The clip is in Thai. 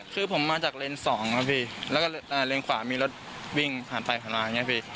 คือผมมาจากเลนส์สองครับพี่แล้วก็เลนขวามีรถวิ่งผ่านไปผ่านมาอย่างนี้พี่